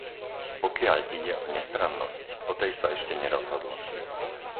Pokiaľ ide o nestrannosť, o tej sa ešte nerozhodlo.